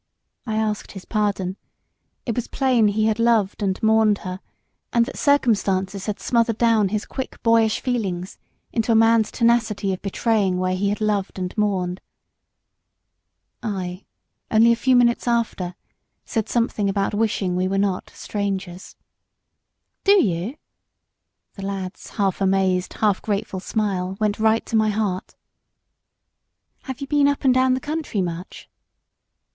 I asked his pardon. It was plain he had loved and mourned her; and that circumstances had smothered down his quick boyish feelings into a man's tenacity of betraying where he had loved and mourned. I, only a few minutes after, said something about wishing we were not "strangers." "Do you?" The lad's half amazed, half grateful smile went right to my heart. "Have you been up and down the country much?"